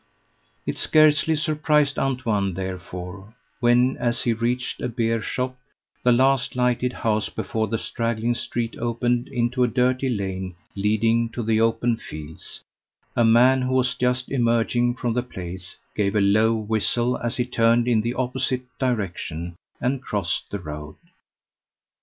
It scarcely surprised Antoine, therefore, when, as he reached a beer shop (the last lighted house before the straggling street opened into a dirty lane leading to the open fields), a man who was just emerging from the place gave a low whistle as he turned in the opposite direction and crossed the road.